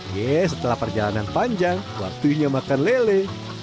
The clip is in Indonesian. yeh setelah perjalanan panjang waktunya makan lele